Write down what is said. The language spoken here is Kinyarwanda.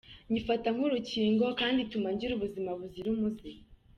Nyifata nk’urukingo kandi ituma ngira ubuzima buzira umuze.